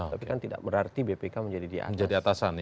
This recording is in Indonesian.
tapi kan tidak berarti bpk menjadi diatas